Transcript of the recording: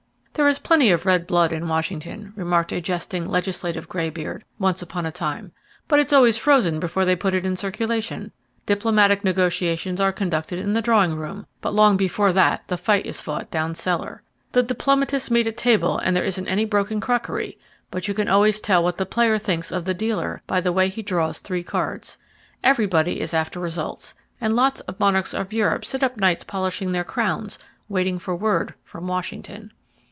"There is plenty of red blood in Washington," remarked a jesting legislative gray beard, once upon a time, "but it's always frozen before they put it in circulation. Diplomatic negotiations are conducted in the drawing room, but long before that the fight is fought down cellar. The diplomatists meet at table and there isn't any broken crockery, but you can always tell what the player thinks of the dealer by the way he draws three cards. Everybody is after results; and lots of monarchs of Europe sit up nights polishing their crowns waiting for word from Washington."